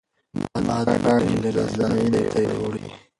باد پاڼې لرې ځایونو ته وړي.